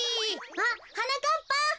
あっはなかっぱ！